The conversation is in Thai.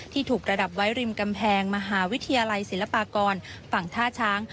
ถูกประดับไว้ริมกำแพงมหาวิทยาลัยศิลปากรฝั่งท่าช้าง